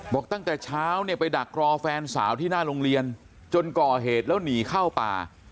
ตั้งแต่เช้าเนี่ยไปดักรอแฟนสาวที่หน้าโรงเรียนจนก่อเหตุแล้วหนีเข้าป่า